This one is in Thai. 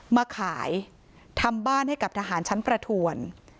มาขายทำบ้านให้กับทหารชั้นประถวน